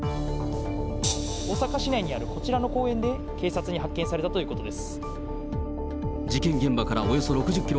大阪市内にあるこちらの公園で、警察に発見されたということです。